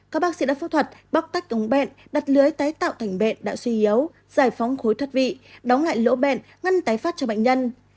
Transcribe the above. các bác sĩ đã phẫu thuật bóc tách ống bẹn đặt lưới tái tạo thành bện đã suy yếu giải phóng khối thất vị đóng lại lỗ bệnh ngăn tái phát cho bệnh nhân